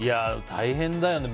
大変だよね。